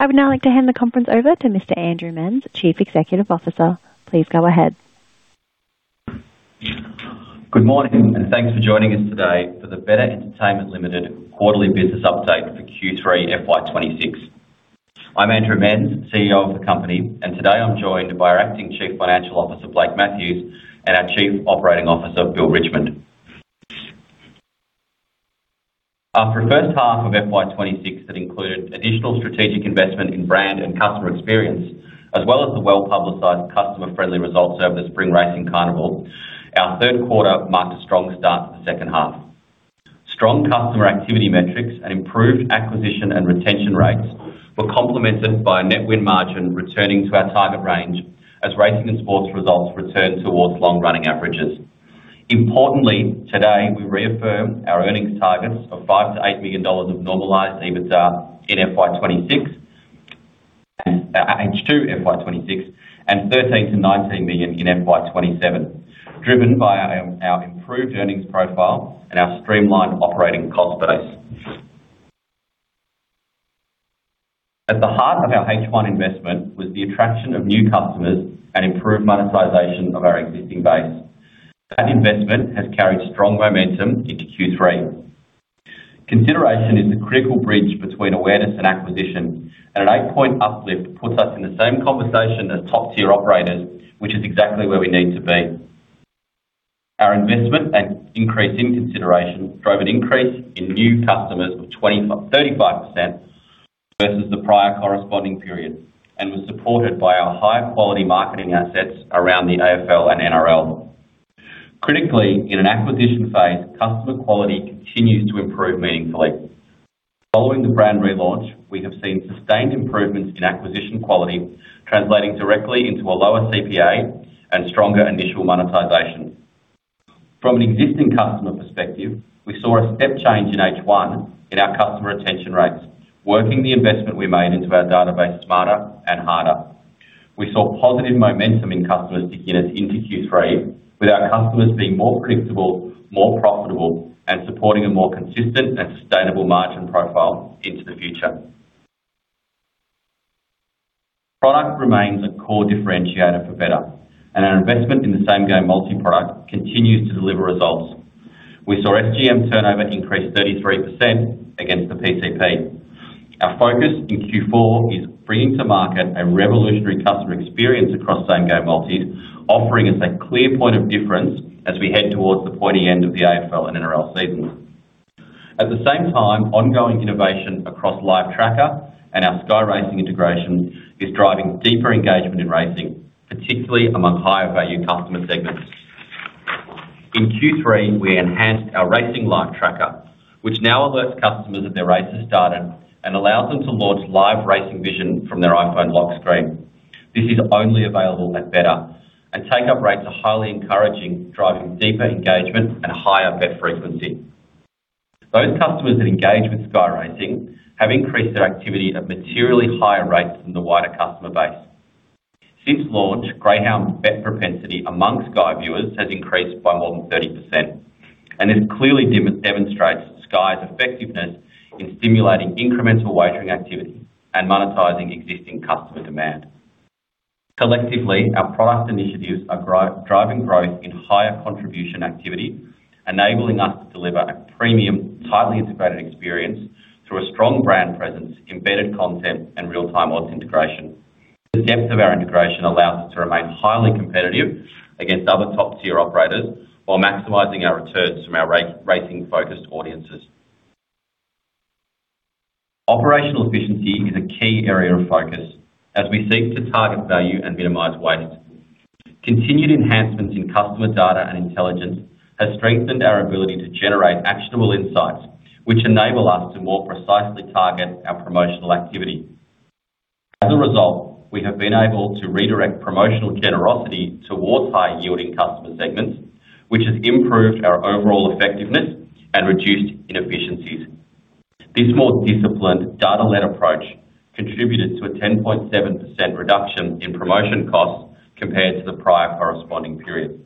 I would now like to hand the conference over to Mr. Andrew Menz, Chief Executive Officer. Please go ahead. Good morning. Thanks for joining us today for the Betr Entertainment Limited quarterly business update for Q3 FY 2026. I'm Andrew Menz, CEO of the company, and today I'm joined by our acting Chief Financial Officer, Blake Matthews, and our Chief Operating Officer, Bill Richmond. After the first half of FY 2026 that included additional strategic investment in brand and customer experience, as well as the well-publicized customer-friendly results over the spring racing carnival, our third quarter marked a strong start to the second half. Strong customer activity metrics and improved acquisition and retention rates were complemented by a net win margin returning to our target range as racing and sports results returned towards long-running averages. Importantly, today we reaffirm our earnings targets of 5 million-8 million dollars of normalized EBITDA in FY 2026 and H2 FY 2026 and 13 million-19 million in FY 2027, driven by our improved earnings profile and our streamlined operating cost base. At the heart of our H1 investment was the attraction of new customers and improved monetization of our existing base. That investment has carried strong momentum into Q3. Consideration is the critical bridge between awareness and acquisition. An eight point uplift puts us in the same conversation as top-tier operators, which is exactly where we need to be. Our investment and increase in consideration drove an increase in new customers of 25%-35% versus the prior corresponding period and was supported by our high-quality marketing assets around the AFL and NRL. Critically, in an acquisition phase, customer quality continues to improve meaningfully. Following the brand relaunch, we have seen sustained improvements in acquisition quality, translating directly into a lower CPA and stronger initial monetization. From an existing customer perspective, we saw a step change in H1 in our customer retention rates, working the investment we made into our database smarter and harder. We saw positive momentum in customers begin into Q3, with our customers being more predictable, more profitable, and supporting a more consistent and sustainable margin profile into the future. Product remains a core differentiator for Betr, and our investment in the Same Game Multi product continues to deliver results. We saw SGM turnover increase 33% against the PCP. Our focus in Q4 is bringing to market a revolutionary customer experience across Same Game Multis, offering us a clear point of difference as we head towards the pointy end of the AFL and NRL seasons. At the same time, ongoing innovation across Live Tracker and our Sky Racing integration is driving deeper engagement in racing, particularly among higher value customer segments. In Q3, we enhanced our Racing Live Tracker, which now alerts customers that their race has started and allows them to launch live racing vision from their iPhone lock screen. This is only available at Betr, and take-up rates are highly encouraging, driving deeper engagement and higher bet frequency. Those customers that engage with Sky Racing have increased their activity at materially higher rates than the wider customer base. Since launch, greyhound bet propensity among Sky viewers has increased by more than 30%, and this clearly demonstrates Sky's effectiveness in stimulating incremental wagering activity and monetizing existing customer demand. Collectively, our product initiatives are driving growth in higher contribution activity, enabling us to deliver a premium, tightly integrated experience through a strong brand presence, embedded content and real-time odds integration. The depth of our integration allows us to remain highly competitive against other top-tier operators while maximizing our returns from our racing-focused audiences. Operational efficiency is a key area of focus as we seek to target value and minimize waste. Continued enhancements in customer data and intelligence has strengthened our ability to generate actionable insights which enable us to more precisely target our promotional activity. As a result, we have been able to redirect promotional generosity towards high-yielding customer segments, which has improved our overall effectiveness and reduced inefficiencies. This more disciplined data-led approach contributed to a 10.7% reduction in promotion costs compared to the prior corresponding period.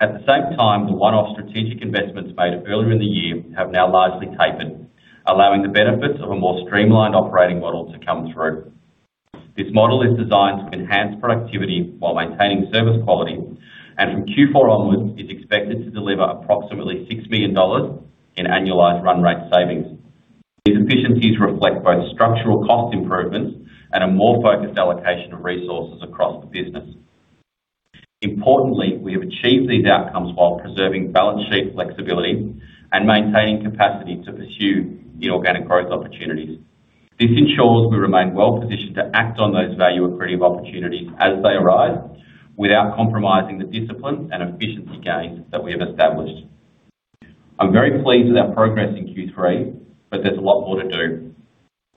At the same time, the one-off strategic investments made earlier in the year have now largely tapered, allowing the benefits of a more streamlined operating model to come through. This model is designed to enhance productivity while maintaining service quality, and from Q4 onwards is expected to deliver approximately 6 million dollars in annualized run rate savings. These efficiencies reflect both structural cost improvements and a more focused allocation of resources across the business. Importantly, we have achieved these outcomes while preserving balance sheet flexibility and maintaining capacity to pursue inorganic growth opportunities. This ensures we remain well-positioned to act on those value-accretive opportunities as they arise without compromising the discipline and efficiency gains that we have established. I'm very pleased with our progress in Q3, but there's a lot more to do.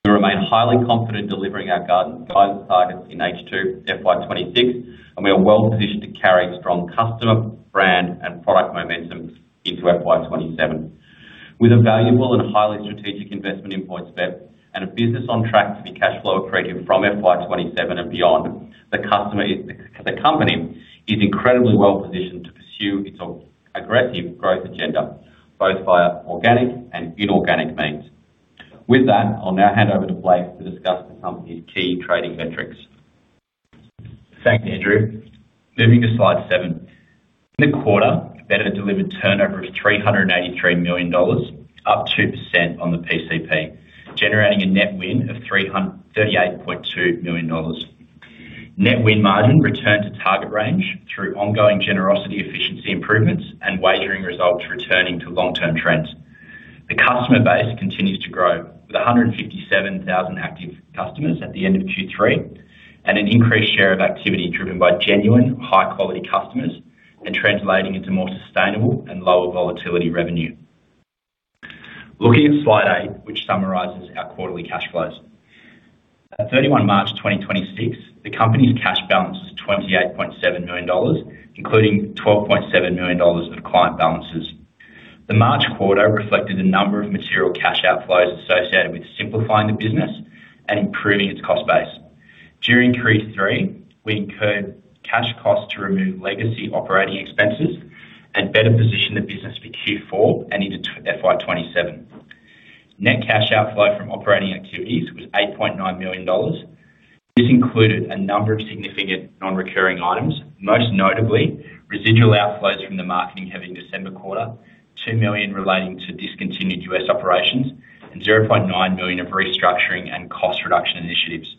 We remain highly confident delivering our guided targets in H2 FY 2026, we are well positioned to carry strong customer, brand, and product momentum into FY 2027. With a valuable and highly strategic investment in PointsBet and a business on track to be cash flow accretive from FY 2027 and beyond, the company is incredibly well-positioned to pursue its own aggressive growth agenda, both via organic and inorganic means. With that, I'll now hand over to Blake to discuss the company's key trading metrics. Thanks, Andrew. Moving to slide seven. In the quarter, Betr delivered turnover of 383 million dollars, up 2% on the PCP, generating a net win of 38.2 million dollars. Net win margin returned to target range through ongoing generosity efficiency improvements and wagering results returning to long-term trends. The customer base continues to grow, with 157,000 active customers at the end of Q3 and an increased share of activity driven by genuine high-quality customers and translating into more sustainable and lower volatility revenue. Looking at slide eight, which summarizes our quarterly cash flows. At 31st March 2026, the company's cash balance was AUD 28.7 million, including AUD 12.7 million of client balances. The March quarter reflected a number of material cash outflows associated with simplifying the business and improving its cost base. During Q3, we incurred cash costs to remove legacy operating expenses and better position the business for Q4 and into FY 2027. Net cash outflow from operating activities was 8.9 million dollars. This included a number of significant non-recurring items, most notably residual outflows from the marketing-heavy December quarter, 2 million relating to discontinued U.S. operations, and 0.9 million of restructuring and cost reduction initiatives.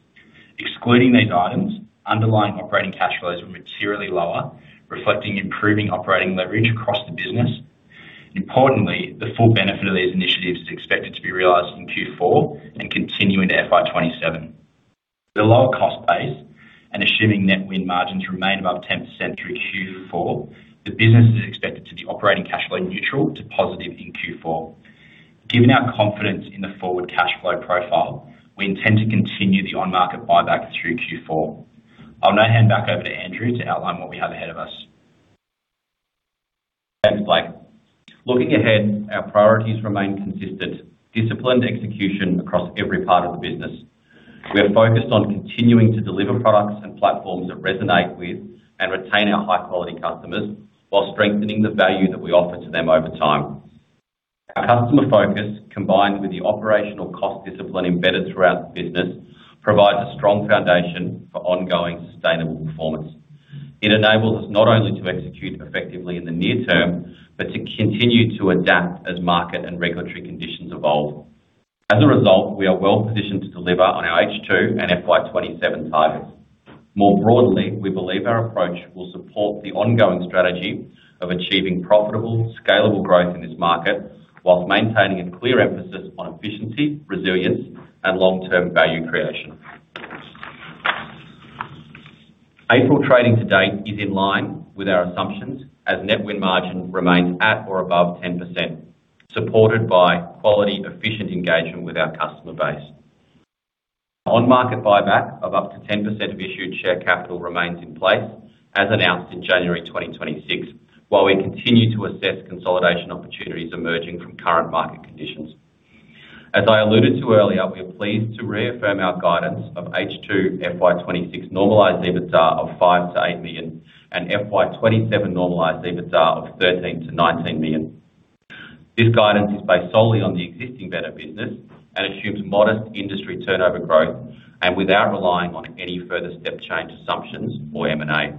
Excluding these items, underlying operating cash flows were materially lower, reflecting improving operating leverage across the business. Importantly, the full benefit of these initiatives is expected to be realized in Q4 and continue into FY 2027. With a lower cost base and assuming net win margins remain above 10% through Q4, the business is expected to be operating cash flow neutral to positive in Q4. Given our confidence in the forward cash flow profile, we intend to continue the on-market buyback through Q4. I'll now hand back over to Andrew to outline what we have ahead of us. Thanks, Blake. Looking ahead, our priorities remain consistent, disciplined execution across every part of the business. We are focused on continuing to deliver products and platforms that resonate with and retain our high-quality customers while strengthening the value that we offer to them over time. Our customer focus, combined with the operational cost discipline embedded throughout the business, provides a strong foundation for ongoing sustainable performance. It enables us not only to execute effectively in the near term, but to continue to adapt as market and regulatory conditions evolve. As a result, we are well-positioned to deliver on our H2 and FY 2027 targets. More broadly, we believe our approach will support the ongoing strategy of achieving profitable, scalable growth in this market while maintaining a clear emphasis on efficiency, resilience, and long-term value creation. April trading to date is in line with our assumptions as net win margin remains at or above 10%, supported by quality, efficient engagement with our customer base. On-market buyback of up to 10% of issued share capital remains in place, as announced in January 2026, while we continue to assess consolidation opportunities emerging from current market conditions. As I alluded to earlier, we are pleased to reaffirm our guidance of H2 FY 2026 normalized EBITDA of 5 million-8 million and FY 2027 normalized EBITDA of 13 million-19 million. This guidance is based solely on the existing Betr business and assumes modest industry turnover growth and without relying on any further step change assumptions for M&A.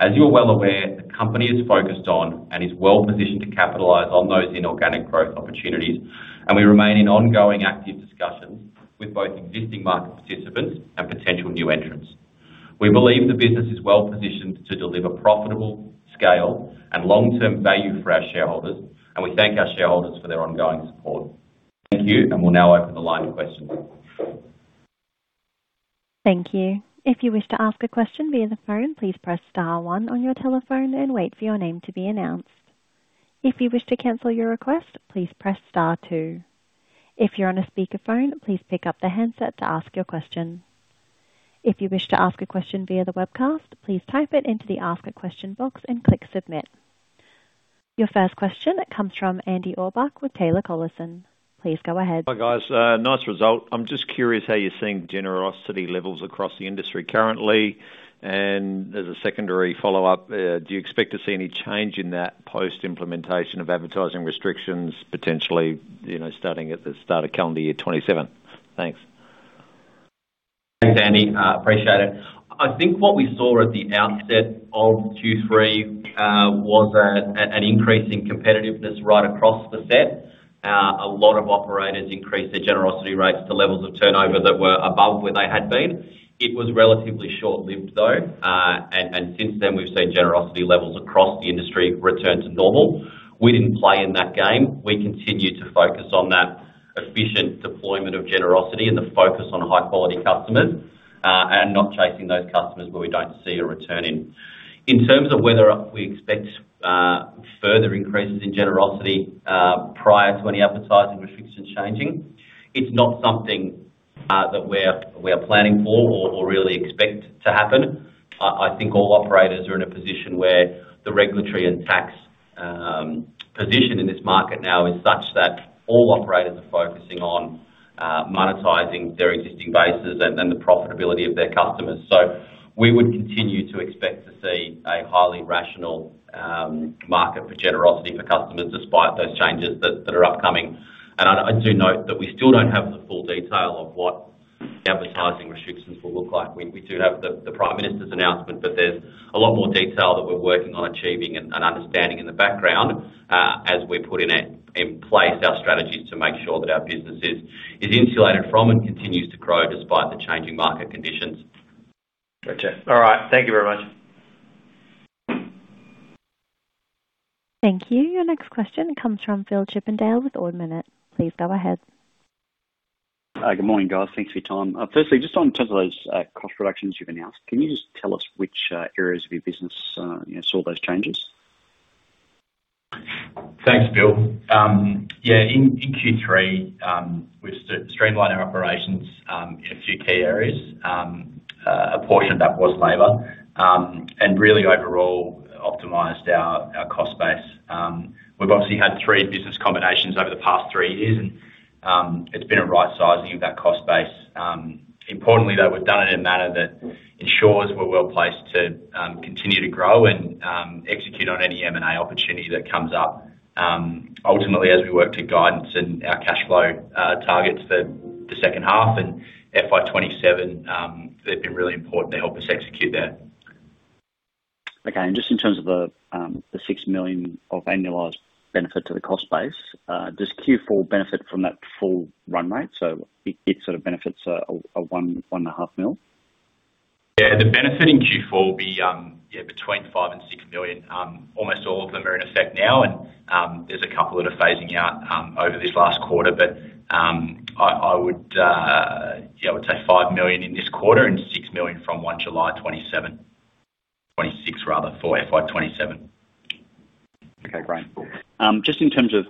As you are well aware, the company is focused on and is well-positioned to capitalize on those inorganic growth opportunities, and we remain in ongoing active discussions with both existing market participants and potential new entrants. We believe the business is well-positioned to deliver profitable scale and long-term value for our shareholders, and we thank our shareholders for their ongoing support. Thank you, and we'll now open the line for questions. Your first question comes from Andrew Orbach with Taylor Collison. Please go ahead. Hi, guys. nice result. I'm just curious how you're seeing generosity levels across the industry currently, and as a secondary follow-up, do you expect to see any change in that post-implementation of advertising restrictions potentially, you know, starting at the start of calendar year 2027? Thanks. Thanks, Andy. Appreciate it. I think what we saw at the outset of Q3 was an increase in competitiveness right across the set. A lot of operators increased their generosity rates to levels of turnover that were above where they had been. It was relatively short-lived though. Since then, we've seen generosity levels across the industry return to normal. We didn't play in that game. We continued to focus on that efficient deployment of generosity and the focus on high-quality customers and not chasing those customers where we don't see a return in. In terms of whether we expect further increases in generosity prior to any advertising restrictions changing, it's not something that we're planning for or really expect to happen. I think all operators are in a position where the regulatory and tax position in this market now is such that all operators are focusing on monetizing their existing bases and the profitability of their customers. We would continue to expect to see a highly rational market for generosity for customers despite those changes that are upcoming. I do note that we still don't have the full detail of what advertising restrictions will look like. We do have the Prime Minister's announcement, there's a lot more detail that we're working on achieving and understanding in the background as we're putting in place our strategies to make sure that our business is insulated from and continues to grow despite the changing market conditions. Gotcha. All right. Thank you very much. Thank you. Your next question comes from Phillip Chippendale with Ord Minnett. Please go ahead. Good morning, guys. Thanks for your time. Firstly, just on terms of those cost reductions you've announced, can you just tell us which areas of your business, you know, saw those changes? Thanks, Phil. Yeah, in Q3, we've streamline our operations in a few key areas. A portion of that was labor and really overall optimized our cost base. We've obviously had three business combinations over the past three years, and it's been a right-sizing of that cost base. Importantly, though, we've done it in a manner that ensures we're well-placed to continue to grow and execute on any M&A opportunity that comes up. Ultimately, as we work to guidance and our cash flow targets for the second half and FY27, they've been really important to help us execute that. Okay. Just in terms of the 6 million of annualized benefit to the cost base, does Q4 benefit from that full run rate? It sort of benefits 1.5 million? The benefit in Q4 will be between 5 million and 6 million. Almost all of them are in effect now, and there's a couple that are phasing out over this last quarter. I would say 5 million in this quarter and 6 million from 1st July 2026 rather for FY 2027. Okay, great. Just in terms of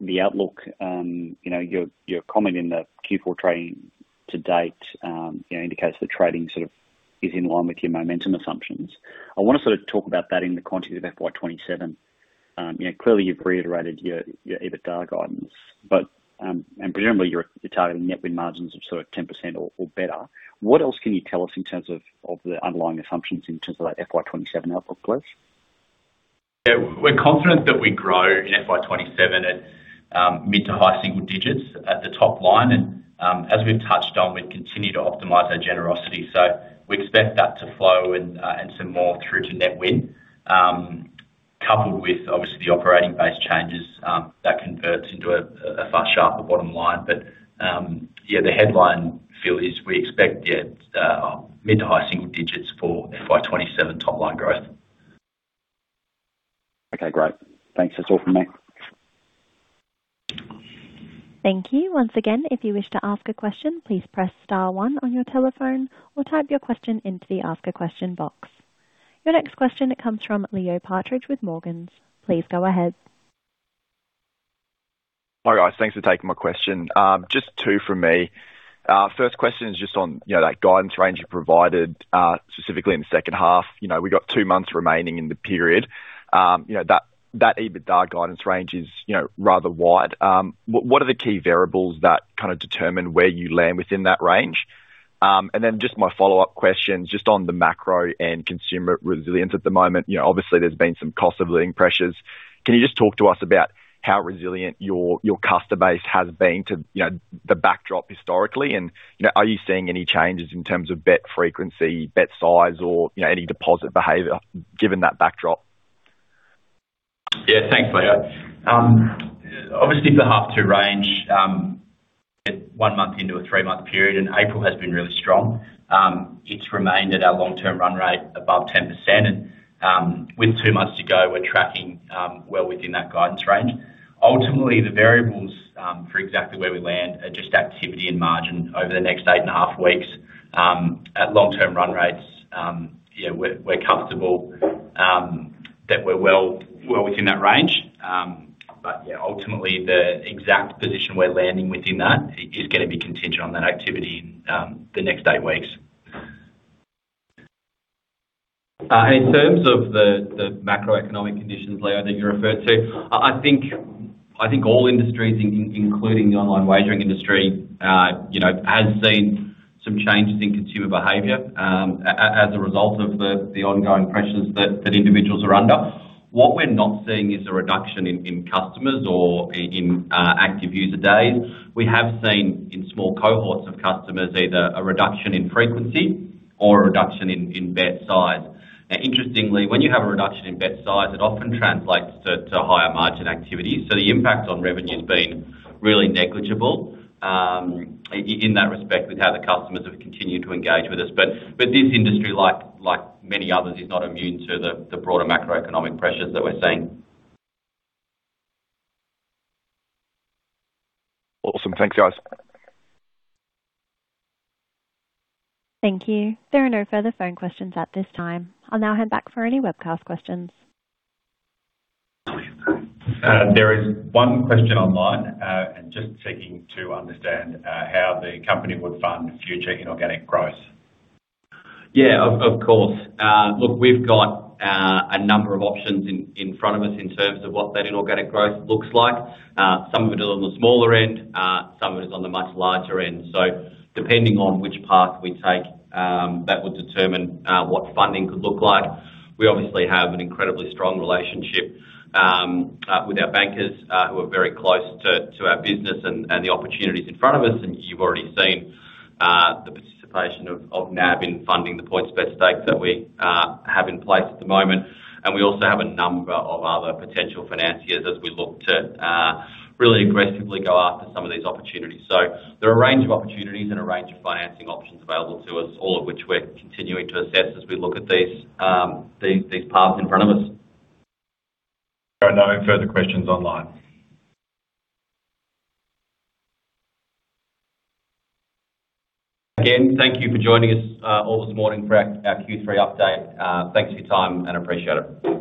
the outlook, you know, your comment in the Q4 trading to date, you know, indicates the trading sort of is in line with your momentum assumptions. I wanna sort of talk about that in the context of FY27. You know, clearly you've reiterated your EBITDA guidance, but presumably, you're targeting net win margins of sort of 10% or better. What else can you tell us in terms of the underlying assumptions in terms of that FY27 outlook, please? We're confident that we grow in FY 2027 at mid to high single digits at the top line. As we've touched on, we've continued to optimize our generosity. We expect that to flow and some more through to net win. Coupled with obviously the operating base changes, that converts into a far sharper bottom line. The headline feel is we expect mid to high single digits for FY 2027 top line growth. Okay, great. Thanks. That's all from me. Thank you. Once again, if you wish to ask a question, please Press Star one on your telephone or type your question into the ask a question box. Your next question comes from Leo Partridge with Morgans. Please go ahead. Hi, guys. Thanks for taking my question. Just two from me. First question is just on, you know, that guidance range you provided, specifically in the second half. You know, we got two months remaining in the period. You know, that EBITDA guidance range is, you know, rather wide. What are the key variables that kinda determine where you land within that range? Then just my follow-up question, just on the macro and consumer resilience at the moment, you know, obviously, there's been some cost of living pressures. Can you just talk to us about how resilient your customer base has been to, you know, the backdrop historically? You know, are you seeing any changes in terms of bet frequency, bet size or, you know, any deposit behavior given that backdrop? Thanks, Leo. Obviously the half two range, one month into a three-month period, and April has been really strong. It's remained at our long-term run rate above 10%. With two months to go, we're tracking well within that guidance range. Ultimately, the variables for exactly where we land are just activity and margin over the next eight and a half weeks. At long term run rates, you know, we're comfortable that we're well within that range. Ultimately, the exact position we're landing within that is gonna be contingent on that activity in the next eight weeks. In terms of the macroeconomic conditions, Leo, that you referred to, I think all industries including the online wagering industry, you know, has seen some changes in consumer behavior as a result of the ongoing pressures that individuals are under. What we're not seeing is a reduction in customers or in active user days. We have seen in small cohorts of customers either a reduction in frequency or a reduction in bet size. Interestingly, when you have a reduction in bet size, it often translates to higher margin activity. The impact on revenue's been really negligible in that respect with how the customers have continued to engage with us. This industry, like many others, is not immune to the broader macroeconomic pressures that we're seeing. Awesome. Thanks, guys. Thank you. There are no further phone questions at this time. I'll now head back for any webcast questions. There is one question online, and just seeking to understand how the company would fund future inorganic growth. Of course. Look, we've got a number of options in front of us in terms of what that inorganic growth looks like. Some of it is on the smaller end, some of it is on the much larger end. Depending on which path we take, that would determine what funding could look like. We obviously have an incredibly strong relationship with our bankers, who are very close to our business and the opportunities in front of us. You've already seen the participation of NAB in funding the PointsBet stakes that we have in place at the moment. We also have a number of other potential financiers as we look to really aggressively go after some of these opportunities. There are a range of opportunities and a range of financing options available to us, all of which we're continuing to assess as we look at these paths in front of us. There are no further questions online. Again, thank you for joining us, all this morning for our Q3 update. Thanks for your time and appreciate it. Thanks.